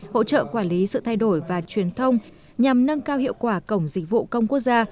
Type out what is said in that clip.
hỗ trợ quản lý sự thay đổi và truyền thông nhằm nâng cao hiệu quả cổng dịch vụ công quốc gia